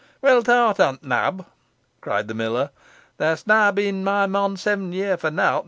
"Weel thowt on, Nab," cried the miller, "theawst nah been mey mon seven year fo nowt.